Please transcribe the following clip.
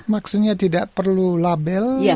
maksudnya tidak perlu label